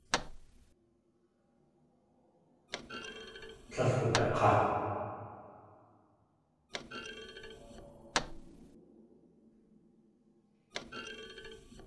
Tlél wudak̲á.